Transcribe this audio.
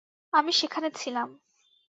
আমি সেখানে ছিলাম!